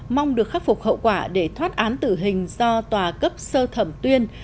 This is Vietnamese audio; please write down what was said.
mong được khắc phục hậu quả để thoát án tử hình do tòa cấp sơ thẩm tuyên